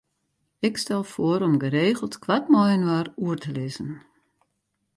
Ik stel foar om geregeld koart mei-inoar oer te lizzen.